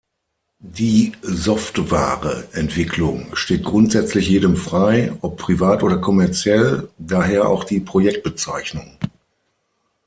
Die Software-Entwicklung steht grundsätzlich jedem frei, ob privat oder kommerziell; daher auch die Projektbezeichnung.